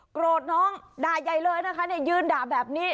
โกรธน้องด่าใหญ่เลยนะคะยืนด่าแบบนี้